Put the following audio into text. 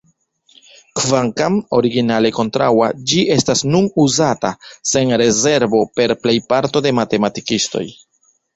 Kvankam originale kontraŭa, ĝi estas nun uzata sen rezervo per plejparto de matematikistoj.